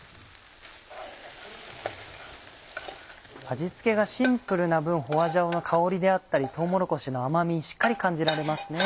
味付けがシンプルな分花椒の香りであったりとうもろこしの甘みしっかり感じられますね。